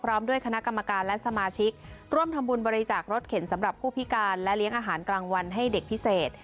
พร้อมด้วยคณะกรรมการและสมาชิกร่วมทำบุญบริจาครถเข็นสำหรับผู้พิการและเลี้ยงอาหารกลางวันให้เด็กพิเศษ